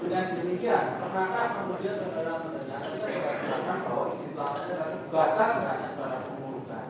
dengan demikian pernahkah kemudian saudara saudara kita berpikir bahwa isin pelaksanaan adalah sebatas terhadap para pengurusan